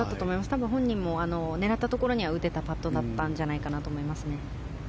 多分、本人も狙ったところには打てたパットだったんじゃないかと思います。